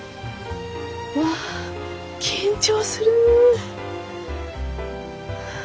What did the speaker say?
わ緊張する。